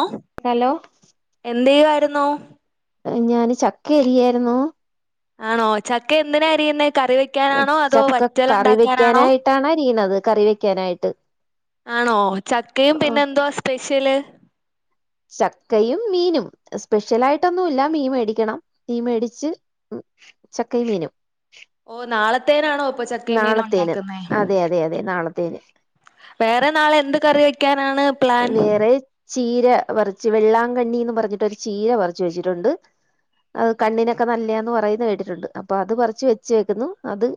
അഹ് hello എന്ത് ചെയ്യായിരുന്നു ഞാന് ചക്ക എരിയായിരുന്നു. ആണോ ചക്ക എന്തിനാരിയുന്നെ കറി വെക്കാനാണോ അതോ വച്ചല ഉണ്ടാക്കാനാണോ. ട്ടാണാരിയിണത് കറി വെക്കാനായിട്ട്. ആണോ ചക്കയും ആഹ് പിന്നെ എന്തോവാ സ്പെഷ്യല്. ചക്കയും മീനും സ്പെഷ്യലായിട്ടൊന്നുല്ല മീൻ മേടിക്കണം. മീൻ മേടിച്ച് ചക്കയും മീനും ഓ നാളെത്തേനാണോ ഇപ്പൊ ചക്കെ മീനും നാളത്തേന് ഉണ്ടാക്കുന്നേ. അതെ അതെ അതെ നാളത്തേന് വേറെ നാളെ എന്ത് കറി വെക്കാനാണ്. പ്ലാൻ വേറെ ചീര വറിച്ച് വെള്ളാങ്കണ്ണിന്ന് പറഞ്ഞിട്ടരു ചീര വറച്ച് വെച്ചിട്ടുണ്ട് അത് കണ്ണിനൊക്കെ നല്ലയാന്ന് പറയുന്നത് കേട്ടിട്ടുണ്ട് അപ്പൊ അത് പറച്ച് വെച്ച് വെക്കുന്നു അത്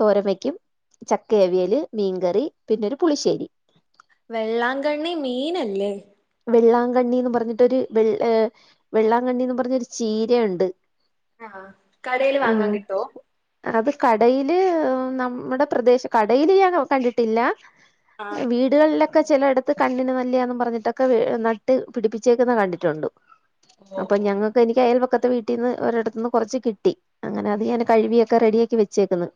തോരമയ്ക്കും ചക്കയവിയല് മീൻകറി പിന്നെ ഒരു പുളിശ്ശേരി വെള്ളാങ്കണ്ണി മീനല്ലേ വെള്ളാങ്കണ്ണിന്ന് പറഞ്ഞിട്ടൊരു വെള്ള വെള്ളാങ്കണ്ണിന്ന് പറഞ്ഞരു ചീരയുണ്ട് ആഹ് കടേല് വാങ്ങാൻ ആഹ് കിട്ടോ അത് കടയില് നമ്മുടെ പ്രദേശം കടയില് ഞാൻ കണ്ടിട്ടില്ല ആഹ് വീടുകളിലൊക്കെ ചിലടുത്ത് കണ്ണിന് നല്ലിയന്ന് പറഞ്ഞിട്ടൊ നട്ട് പിടിപ്പിച്ചേക്കുന്ന കണ്ടിട്ടുണ്ട് ഓ അപ്പൊ ഓ ഞങ്ങൾക്ക് അപ്പ എക്ക് അയൽപക്കത്തെ വീട്ടീ നിന്ന് എനിക്ക് അയൽവക്ക വീട്ടീന്ന് ഒരിടത്ത നിന്ന് കുറച്ച് കിട്ടി അങ്ങനെ അത് ഞാൻ കഴുകിയൊക്കെ റെഡിയാക്കി വെച്ചേക്കുന്നു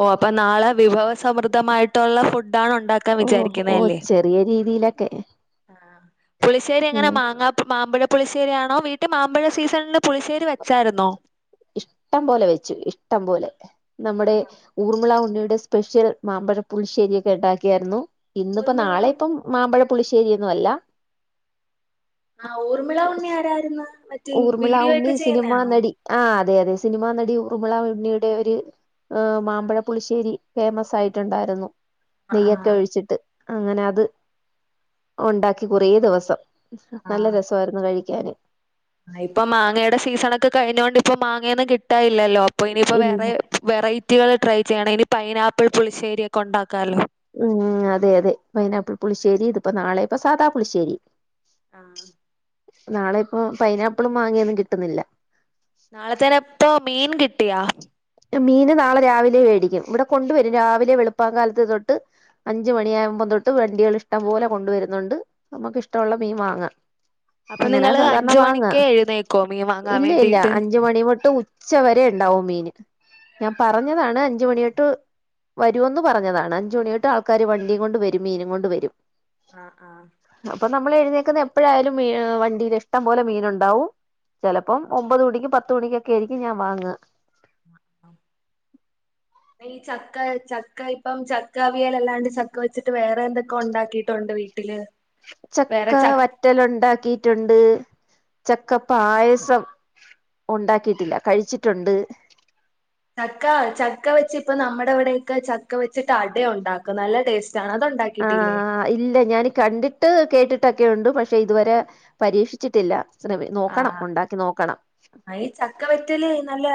ഓഹ് അപ്പൊ നാളെ വിഭവ സമൃദ്ധമായിട്ടുള്ള ഫുഡ്ഡ് ആണ് ഉണ്ടാക്കുന്നത് ഓഹ് ഓഹ് ചെറിയ രീതിയിലൊക്കെ ആഹ് പുളിശ്ശേരി എങ്ങനെ ഉം മാങ്ങ മാമ്പഴ പുളിശ്ശേരി ആണോ? വീട്ടിൽ മാമ്പഴ സീസണിൽ പുളിശേരി വെച്ചാരുന്നോ? ഇഷ്ടം പോലെ വെച്ചു ഇഷ്ടം പോലെ നമ്മുടെ ഊർമിള ഉണ്ണിയുടെ സ്പെഷ്യൽ മാമ്പഴ പുളിശ്ശേരിയൊക്കെ ഉണ്ടാക്കിയായിരുന്നു. ഇന്നിപ്പോ ഊർമിള നാളെ ഇപ്പം മാമ്പഴ പുളിശ്ശേരി ഒന്നും അല്ല ആഹ് ഊർമിള ഉണ്ണിആരായിരുന്ന് ഊർമിള ഉണ്ണി സിനിമാ നടി ആഹ് അതെ അതെ സിനിമാ നടി ഉർമിള ഉണ്ണിയുടെ ഒരു മാമ്പഴ പുളിശ്ശേരി ഫേമസ് ആയിട്ടുണ്ടായിരുന്നു. ആ ആ നെയ്യൊക്കെ ഒഴിച്ചിട്ട് അങ്ങനെ അത് ഉണ്ടാക്കി കുറെദിവസം നല്ല രസായിരുന്നു കഴിക്കാന് ആഹ് ഇപ്പൊ മാങ്ങയുടെ സീസണൊക്കെ കഴിഞ്ഞൊണ്ട് ഇപ്പൊ മാങ്ങയൊന്നും കിട്ടാനില്ലല്ലോ അപ്പൊ ഇനിയിപ്പോ ഇല്ല വേറെ വെറൈറ്റികൾ ട്രൈ ചെയ്യണം. ഇനി പൈനാപ്പിൾ പുളിശേരി ഒക്കെ ഉണ്ടാക്കാല്ലോ മം അതെ അതെ പൈനപ്പിൾ പുളിശ്ശേരി ഇതിപ്പോ നാളെ ഇപ്പോ സാദാ പുളിശ്ശേരി ആഹ് നാളെ ഇപ്പോ പൈനാപ്പിളും മാങ്ങയൊന്നും കിട്ടുന്നില്ല. നാളെ തന്നെ ഇപ്പൊ മീൻ കിട്ടിയാ മീന് നാളെ രാവിലെ മേടിക്കും. ഇവിടെ കൊണ്ടുവരും രാവിലെ വെളുപ്പാൻ കാലത്ത് തൊട്ട് അഞ്ചുമണിയകുമ്പോ തൊട്ട് വണ്ടികൾ ഇഷ്ടം പോലെ കൊണ്ടുവരുന്നുണ്ട് നമുക്ക് ഇഷ്ടമുള്ള മീൻ വാങ്ങാൻ അപ്പൊ അങ്ങനെ നിങ്ങള് സാധാരണ അഞ്ച് വാങ്ങ മണിക്ക് എഴുന്നേക്കോ മീൻ വാങ്ങാൻ ഇല്ല ഇല്ല വേണ്ടിട്ട് അഞ്ചുമണി തോട്ട് ഉ ച്ച വരെ ഉണ്ടാവും മീന് ഞാൻ പറഞ്ഞതാണ് അഞ്ചുമണിയോട്ട് വരുവന്ന് പറഞ്ഞതാണ് അഞ്ചു മണിതൊട്ട് ആൾക്കാർ വണ്ടിയും കൊണ്ട് വരും മീനും കൊണ്ട് വരും ആഹ് ആഹ് അപ്പൊ നമ്മൾ എഴുന്നേൽക്കുന്ന എപ്പോഴായാലും മീൻ വണ്ടിൽ ഇഷ്ടം പോലെ മീനുണ്ടാവും ചിലപ്പം ഒമ്പത് മണിക്കും പത്ത് മണിക്കൊക്കെ ആയിരിക്കും ഞാൻ വാങ്ങാ ഈ ചക്ക ചക്ക ഇപ്പം ചക്കാവിയൽ അല്ലാണ്ട് ചക്ക വെച്ചിട്ട് വേറെ എന്തൊക്കെ ഉണ്ടാക്കിയിട്ടുണ്ട് വീട്ട ട്ടില് ചക്ക വറ്റൽ ഉണ്ടാക്കിട്ടുണ്ട്, ചക്ക പായസം ഉണ്ടാക്കിയിട്ടില്ല കഴിച്ചിട്ടുണ്ട് ചക്ക ചക്ക വെച്ച് ഇപ്പോ നമ്മുടെ ഇവിടേഒക്കെ ചക്ക വെച്ചിട്ട് അട ഉണ്ടാക്കും നല്ല ടേസ്റ്റ് ആണ് അത് ഉണ്ടാക്കിയി ആഹ് ഇല്ല ഞാന് കണ്ടിട്ട് ട്ട് കേട്ടിട്ടൊക്കെ ഉണ്ട് പ. ക്ഷെ ഇതുവരെ പരീക്ഷിച്ചിട്ടില്ല ശ്ര നോക്കണം ഉണ്ടാക്കി നോക്കണം അതിന് ഈ ചക്കവറ്റല് നല്ല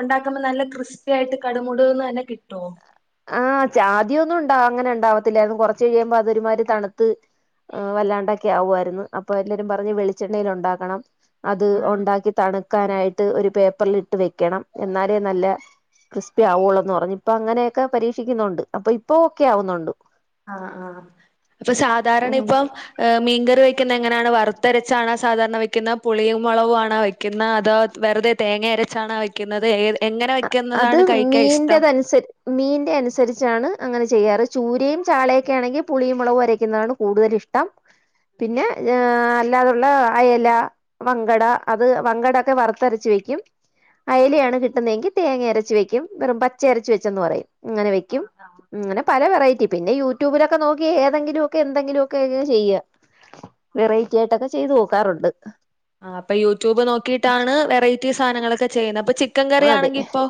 ഉണ്ടാക്കുമ്പോ നല്ല ക്രിസ്പി ആയിട്ട് കടുമുട്ന്ന് തന്നെ കിട്ടുവോ ആഹ് ചാത്യേ ഒന്നും ഉണ്ടാവ അങ്ങനെ ഉണ്ടാവത്തില്ലായിരുന്നു കൊറച് കഴിയുമ്പോ അതൊരുമാതിരി തണുത്ത് വല്ലാണ്ടൊക്കെ ആവുമായിരുന്നു അപ്പൊ എല്ലാവരും പറഞ്ഞ് വെളിച്ചെണ്ണയിൽ ഉണ്ടാക്കണം അത് ആഹ് ഉണ്ടാക്കി തണുക്കാനായിട്ട് ഒരു പേപ്പറിൽ ഇട്ട് വെക്കണം എന്നാലേ നല്ല ക്രിസ്പി ആവു ഒള്ളെന്ന് പറഞ് ഇപ്പൊ അങ്ങനെയൊക്കെ പരീക്ഷിക്കുന്നുണ്ട് അപ്പൊ ഇപ്പൊ ഒക്കെ ആവുന്നുണ്ട്. ആഹ് ആഹ് അപ്പൊ സാധാരണ ഉം ഇപ്പോ എഹ് മീൻകറിവെക്കുന്നെ എങ്ങനാണ്? വറുത്തരച്ചാണോ സാധാരണ വെക്കുന്നേ പുളിയും മുളകു ആണോ വെക്കു യ്ക്കുന്നോ അതോ വെറുതെ തേങ്ങ അരച്ചാണോ വെക്കുന്നത് ഏഹ് എങ്ങനെ അത് വെക്കുന്നതാണ് കഴിക്കാനിഷ്ട്ടം? മീന്റെതനുസരി മീന്റെ അനുസരിച്ചാണ് അങ്ങനെ ചെയ്യാറ്. ചൂരയും ചാളയൊക്കെ ആണെങ്കിൽ പുളിയും മുളവും അരക്കുന്നതാണ് കൂടുതലിഷ് ട്ടം പിന്നെ ഏഹ് അയുള്ള അയല വങ്കട അത് വങ്കട ഒക്കെ വറുത്തരച്ച് വെയ്ക്കും. ആഹ് അയലയാണ് കിട്ടുന്നതെങ്കി തേങ്ങ അരച്ച് വെയ്ക്കും. വെറും പച്ചയരച്ച് വെച്ചെന്ന് പറയും. ഇങ്ങനെ വെയ്ക്കും ആഹ് ആഹ് ഇങ്ങനെ പല വെറൈറ്റി പിന്നെ യൂട്യൂബിലൊക്കെ നോക്കി ഏതെങ്കിലുവൊക്കെ എന്തെങ്കിലുവൊക്കെ അങ്ങ് ചെയ്യാ വെറൈറ്റിയായിട്ടൊക്കെ ചെയ്ത് നോക്കാറുണ്ട്. ആഹ് അപ്പൊ യൂട്യൂബ് നോക്കിയിട്ടാണ് വെറൈറ്റി സാനങ്ങളൊക്കെ ചെയ്യണെ. അപ്പൊ ചിക്കൻ അതെ കറിയാണെങ്കിപ്പൊ.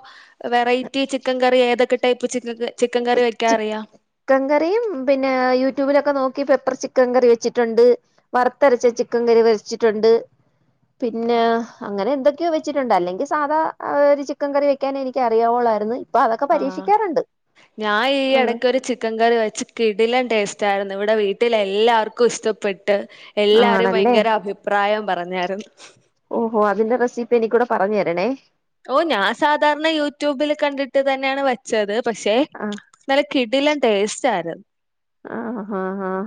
വെറൈറ്റി ചിക്കൻ കറി ഏതൊക്കെ ടൈപ്പ് ചിക്ക ക ചിക്കൻകറി വെക്കാ അറിയാം. ക്കൻ കറിയും പിന്നേ യൂട്യൂബിലൊക്കെ നോക്കി പെപ്പർ ചിക്കൻ കറി വെച്ചിട്ടുണ്ട്. വറുത്തരച്ച ചിക്കൻ കറി വച്ചിട്ടുണ്ട്. പിന്നേ ആഹ് അങ്ങനെന്തൊ ക്കെയോ വെച്ചിട്ടുണ്ട്. അല്ലെങ്കി സാധാ ആഹ് ഒരു ചിക്കൻ കറി വെക്കാനേ എനിക്കറിയാവൊള്ളായിരുന്നു. ഇപ്പ അതൊക്കെ പരീക്ഷിക്കാറുണ്ട്. ഞാ ഈ ആഹ് എടക്കൊരു ചിക്കൻ കറി വെച്ച്. കിടിലം ടേസ്റ്റാരുന്നു. ഇവിടെ വീട്ടിലെല്ലാവർക്കും ഇഷ്ടപ്പെട്ട് എല്ലാരും ആണല്ലേ വയങ്കര അഭി പ്രായവും പറഞ്ഞാരുന്നു. ഓഹോ അതിന്റെ റെസിപ്പി എനിക്കൂടെ പറഞ്ഞേരണേ? ഓഹ് ഞാ സാധാരണ യൂട്യൂബില് കണ്ടിട്ട് തന്നെയാണ് വെച്ചത് പക്ഷേ ആഹ് നല്ല കിടിലം ടേസ്റ്റാരു ആഹ് ആഹ് ആഹ്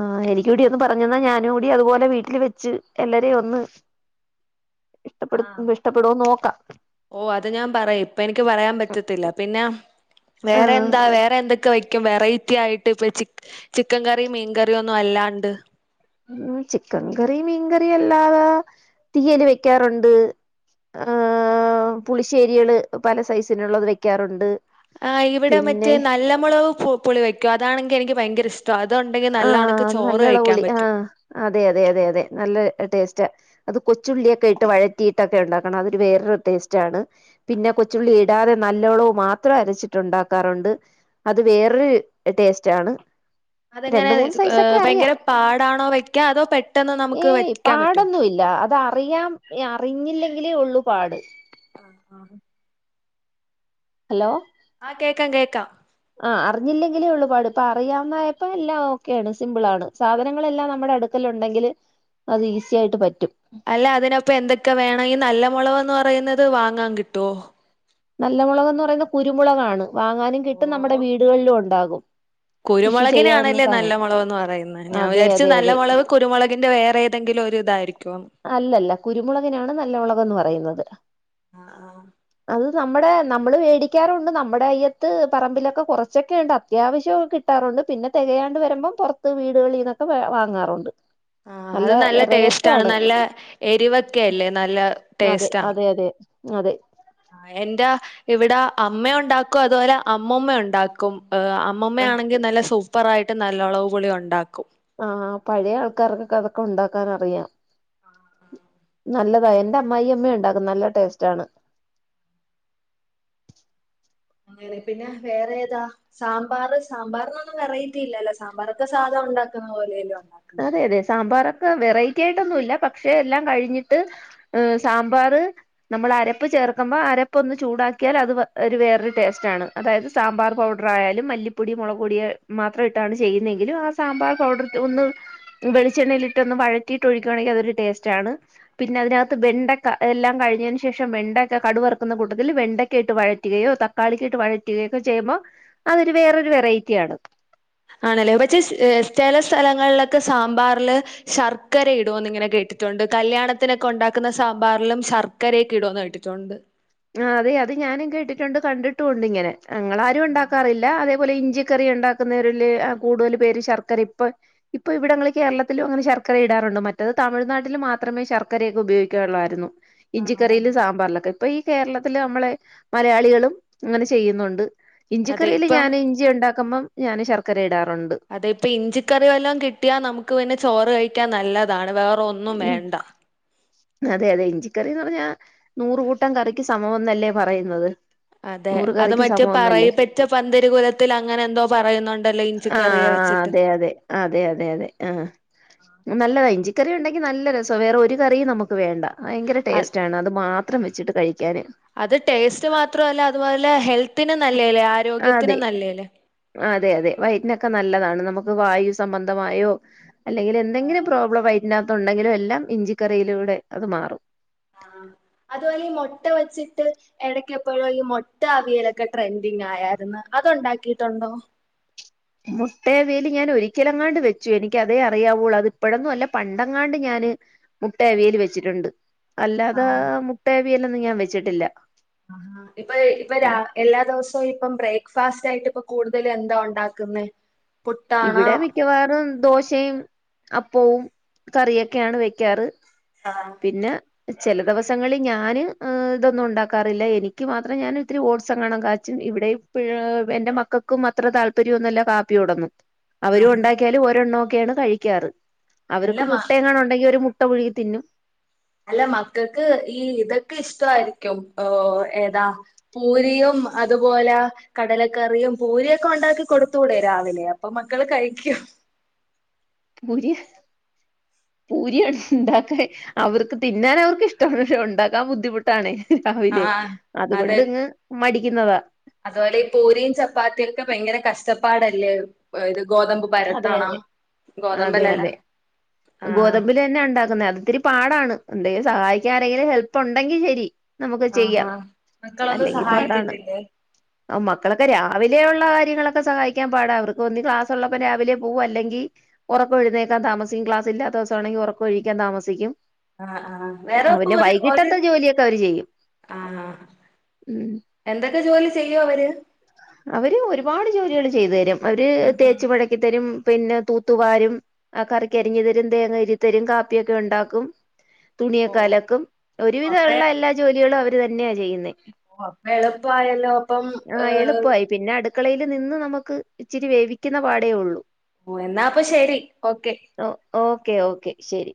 ആഹ് എനിക്കൂടി ഒന്ന് പറഞ്ഞന്നാ ഞാനൂടി അതുപോലെ വീട്ടില് വെച്ച് എല്ലരേം ഒന്ന് പ്പെടു ഇഷ്ടപ്പെടോ നോക്ക ഓഹ് അത് ഞാൻ പറയും ഇപ്പ എനിക്ക് പറയാൻ പറ്റത്തില്ല പിന്നെ. വേറെ ആഹ് എന്താ വേറെന്തൊ ക്കെ വെക്കും വെറൈറ്റി ആയിട്ട്. ഇപ്പ ചി ചിക്കൻ കറീം മീൻ കറീം ഒന്നു അല്ലാണ്ട്. ഉം ചിക്കൻ കറി മീൻ കറിയല്ലാതെ തീയല് വെക്കാറുണ്ട്. ആഹ് പുളിശ്ശേരിയേള് പല സൈസിലുള്ളത് വെയ്ക്കാറുണ്ട്. ആഹ് ഇവിടെ മറ്റേ നല്ല മുളക് പൊ പുളി വെ ക്കുവതാണെങ്കി എനിക്ക് ഭയങ്കര ഇഷ്ടാ. അതൊണ്ടെങ്കി നല്ലാണക്ക് ആഹ് ചോറ് നല്ലോള കഴിയ്ക്കാൻ പുളി പറ്റും. ആഹ് അതെ അതെ അതെയതെ നല്ല ടേസ്റ്റാ അത് കൊച്ചുള്ളിയൊക്കെയിട്ട് വഴറ്റിയിട്ടൊക്കെ ഉണ്ടാക്കണം അതൊരു വേറൊരു ടേസ്റ്റാണ്. പിന്നെ കൊച്ചുള്ളി ഇടാതെ നല്ലോളവു മാത്രം അരച്ചിട്ടുണ്ടാക്കാറുണ്ട്. അത് വേറൊരു ടേസ്റ്റാണ്. അതെങ്ങനെ രണ്ട് മൂന്ന് സൈസൊക്കെ ഏഹ് അറിയാം ഭയങ്കര പാടാണോ വയ്ക്കാ. അതോ പെട്ടെന്ന് നമുക്ക് വയ്ക്കാൻ പറ്റോ? തറിയാം ഏഹ് അറിഞ്ഞില്ലെങ്കിലേ ഒള്ളു പാട്. ആഹ് ആഹ് ഹലോ ആഹ് കേക്കാം കേക്കാം ആഹ് അറിഞ്ഞില്ലെങ്കിലേ ഒള്ളുപാട് ഇപ്പ അറിയാവന്നായപ്പോ എല്ലാം ഓക്കെയാണ് സിമ്പിളാണ്. സാധനങ്ങളെല്ലാം നമ്മുടെ അടുക്കലുണ്ടെങ്കില് അത് ഈസിയായിട്ട് പറ്റും. അല്ല അതിനപ്പൊ എന്തൊക്കെ വേണം. ഈ നല്ല മൊളവെന്ന് പറയുന്നത് വാങ്ങാൻ കിട്ടുവോ?. നല്ല മുളകെന്ന് പറയുന്നത് കുരുമുളകാണ്. വാങ്ങാനും കിട്ടും നമ്മുടെ ഓ വീടുകളിലും ഒണ്ടാകും. കുരുമുളകിനാണല്ലേ നല്ല മുളവെന്ന് പറയുന്നേ ഞാൻ അതെ വിചാരിച്ചു അതെ നല്ല അതെ മുളവ് കുരുമുളകിന്റെ വേറേതെങ്കിലും ഒരിതായിരിക്കോന്ന്. അല്ലല്ല കുരുമുളകിനാണ് നല്ല മുളക്ന്ന് പറയുന്നത്. ആഹ് ആഹ് അത് നമ്മുടെ നമ്മള് വേടിക്കാറുണ്ട്. നമ്മുടെ അയ്യത്ത് പറമ്പിലൊക്കെ കുറച്ചൊക്കെയൊണ്ട് അത്യാവശ്യം കി കിട്ടാറുണ്ട് പിന്നെ തെകയാണ്ട് വരുമ്പം പൊറത്ത് വീടുകളീന്നൊക്കെ വേ വാങ്ങാറുണ്ട്. ആഹ് അത് നല്ല ടേസ്റ്റാണ്. നല്ല എരിവക്കെയല്ലേ നല്ല. അതെ അതെ അതെ അതെ. ആ എന്റെ ഇവിടെ അമ്മണ്ടാക്കും അതുപോലെ അമ്മമ്മ ഉണ്ടാക്കും. ആ അമ്മമ്മ ആണെങ്കിൽ നല്ല സൂപ്പർ ആയിട്ട് നല്ലോളവ്പൊളി ഉണ്ടാക്കും. ആഹ് പഴയ ആൾക്കാർക്കൊക്കെ അതൊക്കെ ഉണ്ടാക്കാൻ അറിയാം. നല്ലതായി എന്റെ അമ്മായി അമ്മ ഉണ്ടാക്കും നല്ല ടേസ്റ്റ ആണ്. അങ്ങനെ പിന്നെ വേറെ ഏതാ. സാമ്പാർ സാമ്പാറിനൊന്നും വെറൈറ്റി ഇല്ലല്ലോ സാമ്പാറൊക്കെ സാധാ ഉണ്ടാക്കുന്ന പോലെലും അല്ലെ. അതെ അതെ സാമ്പാറൊക്കെ വെറൈറ്റി ആയിട്ടൊന്നുല്ല പക്ഷെ എല്ലാം കഴിഞ്ഞിട്ട്. ഉം സാമ്പാർ. നമ്മൾ അരപ്പ് ചേർക്കുമ്പോ അരപ്പ് ഒന്ന് ചൂടാക്കിയാൽ അത് ഒരു വേറൊരു ടേസ്റ്റ് ആണ്. അതായത് സാമ്പാർ പൗഡർയാലും മല്ലിപ്പൊടി മുളക് പൊടിയ മാത്രം ഇട്ടാണ് ചെയ്യുന്നെങ്കിലും ആ സാമ്പാർ പൗഡർ ഒന്ന്. വെളിച്ചെണ്ണയിലിട്ടൊ ന്ന് വഴറ്റിട്ട് ഒഴിക്കുവാണെങ്കി അതൊരു ടേസ്റ്റാണ്. പിന്നെ അതിനകത്ത് വെണ്ടക്ക എല്ലാം കഴിഞ്ഞതിന് ശേഷം വെണ്ടക്ക കടുവറക്കുന്ന കൂട്ടത്തിൽ വെണ്ടക്ക ഇട്ട് വഴറ്റുകയോ തക തക്കാളിക്ക ഇട്ട് വഴറ്റുകയൊക്കെ ചെയ്യുമ്പോ അതൊരു വേറൊരു വെറൈറ്റി ആണ്. ആണല്ലേ പക്ഷേ ചില സ്ഥലങ്ങളിലൊക്കെ സാമ്പാറില്. ശർക്കര ഇടോന്ന് ഇങ്ങനെ കേട്ടിട്ടുണ്ട് കല്യാണത്തിനൊക്കെ ഉണ്ടാക്കുന്ന സാമ്പാറിലും ശർ കരയൊ ക്ക ഇടോന്ന് കേട്ടിട്ടുണ്ട്. ആ അതെ അത് ഞാനും കേട്ടിട്ടുണ്ട് കണ്ടിട്ടുണ്ട് ഇങ്ങനെ. ഞങ്ങളാരും ഉണ്ടാക്കാറില്ല അതെ. അതുപോലെ ഇഞ്ചിക്കറി ഉണ്ടാക്കുന്നവരില് കൂടുതൽ പേര് ശർക്കര ഇപ്പൊ. ഇപ്പവിടെങ്ങള് കേരളത്തിലും അങ്ങനെ ശർക്കര ഇടാറുണ്ട് മറ്റത് തമിഴ്നാട്ടിൽ മാത്രമേ ശർക്കരയൊ ക്കെ ഉപയോഗിക്കൂ. ക്കള്ളായിരുന്നു. ആണോ? ഇഞ്ചിക്കറിയിലും സാമ്പാറിലൊക്കെ ഇപ്പൊ ഈ കേരളത്തില് നമ്മളെ മലയാളികളും ഇങ്ങനെ ചെയ്യുന്നുണ്ട്. അതെ ഇഞ്ചിക്കറിയിൽ ഇപ്പം ഞാന് ഇഞ്ചി ണ്ടാക്കുമ്പം ഞാൻ ശർക്കര ഇടാറുണ്ട്. അതെ ഇപ്പ ഇഞ്ചിക്കറി വല്ലാം കിട്ടിയാ നമുക്ക് പിന്നെ ചോറ് കഴിക്കാൻ നല്ലതാണ് വേറെ ഒന്നും ഉം വേണ്ട. അതെ അതെ ഇഞ്ചിക്കറിന്ന് പറഞ്ഞാ നൂറുകൂട്ടം കറിക്ക് സമന്നല്ലേ പറയുന്നത്. അതെ നൂറ് അത് കറിക്ക് മറ്റേ സമമെന്നല്ലേ പറയ പറ്റ പന്തരികുലത്തിൽ അങ്ങനെ എന്തോ പറയുന്നുണ്ടല്ലോ ഇഞ്ച ആ കറിയെ വെച്ചിട്ട്. അതെ അതെ അതെ അതെ അതെ ആ നല്ല ഇഞ്ചി. ക്കറി ഉണ്ടെങ്കിൽ നല്ല രസ വേറെ ഒരു കറിയും നമുക്ക് വേണ്ട ഭയങ്കര ടേസ്റ്റാണ് അത് മാ ത്രം വെച്ചിട്ട് കഴിക്കാന്. അത് ടേസ്റ്റ് മാത്രല്ല അതുപോലെ ഹെൽത്തിനും നല്ലല്ലേ അതെ ആരോഗ്യത്തിനും നല്ലേല്ലേ. അതെ അതെ വയറ്റിനൊക്കെ നല്ലതാണ് നമുക്ക് വായു സംബന്ധമായോ. അല്ലെങ്കിൽ ആഹ് എന്തെങ്കിലും പ്രോബ്ലം വയറ്റിനകത്ത ഉണ്ടെങ്കിലും എല്ലാം ഇഞ്ചിക്കറിയിലൂടെ അത് മാറും. ആ ഹ് അതുപോലെ ഈ മുട്ട വെച്ചിട്ട്. ഇടക്ക എപ്പോഴും ഈ മൊട്ടവിയലൊക്കെ ട്രെൻഡിങ് ആയരുന്നു അത് ഉണ്ടാക്കിയിട്ടുണ്ടോ? മുട്ടേവേൽ ഞാൻ ഒരിക്കലങ്ങാണ്ട് വെച്ചു എനിക്ക അതേ അറിയാവുള്ളൂ അത് ഇപ്പോഴൊന്നും അല്ല പണ്ടങ്ങാണ്ട് ഞാന്. മുട്ടേവിയൽ വെച്ചിട്ടുണ്ട് അല്ലാതെ ആഹ് മുട്ടേവിയലൊന്നും ഞാൻ വെച്ചിട്ടില്ല. ആഹ് ഇപ്പൊ ഇപ്പൊ രാ എല്ലാ ദിവസവും ഇപ്പം ബ്രേക്ക്ഫാസ്റ്റ് ആയിട്ട് ഇപ്പ കൂടുതൽ എന്താ ഉണ്ടാക്കുന്നേ? പുട്ടാണോ ഇവിടെ മിക്കവാറും ദോശയും അപ്പവും കറിയൊക്കെയാണ് വെക്കാറ്. ആഹ്. പിന്നെ. ചില ദിവസങ്ങളിൽ ഞാൻ ഇതൊന്നും ഉണ്ടാക്കാറില്ല. എനിക്ക് മാത്രം ഞാൻ ഒത്തിരി ഓട്സ്‌ എങ്ങാണും കാച്ചും ഇവിടെ എന്റെ മക്കൾക്കും അത്ര താല്പര്യംന്നുംല്ല കാപ്പിയോടൊന്നും. അവരും ആഹാ ഉണ്ടാക്കിയാലും ഒരെണ്ണമ ഒക്കെയാണ് കഴിക്കാറ് അല്ല അവർക്ക് മ മുട്ട എങ്ങണുണ്ടെങ്കിൽ ഒരു മുട്ട പുഴുങ്ങി തിന്നും. അല്ല മക്കക്ക് ഈ ഇതൊക്കെ ഇഷ്ടയിരിക്കും ഏതാ. പൂരിയും അതുപോലെ. കടലക്കറിയും പൂരിയൊക്കെ ഉണ്ടാക്കി കൊടുത്തൂടെ രാവിലെ. അപ്പൊ മക്കള് കഴിക്യും. പൂരിയ പൂരിയാണ്. ണ്ടാക്ക അവർക്ക് തിന്നാൻ അവർക്ക് ഇഷ്ടമാണ്. ക്ഷെ ഉണ്ടാക്കാൻ ബുദ്ധിമു ട്ടാണ്. രാവിലെ ആഹ് അതുകൊണ്ട് അതെ ഇങ്ങ് മടിക്കുന്നതാ. അതുപോലെ ഈ പൂരിയും ചപ്പാത്തി ഒക്കെ ഭയങ്കര കഷ്ടപ്പാടല്ലേ. ത് ഗോതമ്പ് അതെ പരത്തണം അതെ അതെ ഗോതമ്പല്ലല്ല അതെ ആഹ് ഗോതമ്പിൽ തന്നെ ഉണ്ടാക്കുന്നത്. അത് ത്തിരി പാടാണ്. എന്തെങ്കിൽ സഹായിക്കാൻ ആരെങ്കിലും ഹെൽപ്പ് ഉണ്ടെങ്കിൽ ശരി നമുക്ക് ആഹാ ചെയ്യാം. മക്കളൊന്നും അല്ലെങ്കിൽ പാടാണ്. സഹായിക്കത്തില്ലേ ആഹ് മക്കളൊക്കെ രാവിലെ ഉള്ള കാര്യങ്ങളൊക്കെ സഹായിക്കാൻ പാടാ അവർക്ക് ഒന്നി ക്ലാസ്ള്ള പ്പ രാവിലെ പോകും. അല്ലെങ്കി ഉറക്കഴുന്നേക്കാൻ താമസിക്കും. ക്ലാസ് ഇല്ലാത്ത ദിവസമാണെങ്കി ഉറക്ക ഒഴിക്കാൻ താമസിക്കും. ആഹ് ആഹ് വേറെപ്പൊ അവന് ഒരു വൈകിട്ടത്തെ ജോലിയൊക്കെ അവര് ചെയ്യും ആഹ് ഉം എന്തൊക്കെ ജോലി ചെയ്യു അവര്. അവര് ഒരുപാട് ജോലികൾ ചെയ്തു തരും. അവര് ഉം ഹും തേച്ചു മടക്കിത്തരും. പിന്നെ തൂത്തുവാരും. ആഹ് കറിക്കരിഞ്ഞു തരും. തേങ്ങ തിരി തരും. കാപ്പിയൊക്കെ ഉണ്ടാക്കും. ഓ തുണിയക്ക ലക്കും അപ്പെ ഒരുവിധള്ള എല്ലാ ജോലികളും അവര് തന്നെയ ചെയ്യുന്നത്. ഓ ഹ് എളുപ്പയല്ലോ അപ്പം ഏഹ് എളുപ്പമായി പിന്നെ അടുക്കളയിൽ നിന്ന് നമുക്ക് ഇച്ചിരി വേവിക്കുന്ന പാടെയുള്ളൂ. ഓഹ് എന്നാപ്പൊ ശെരി ഓക്കെ. ഓക്കെ ഓക്കെ ശരി